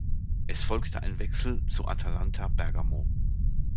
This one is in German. Es folgte ein Wechsel zu Atalanta Bergamo.